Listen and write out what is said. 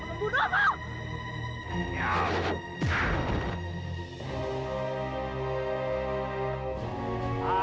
lepaskan kak kang ujaya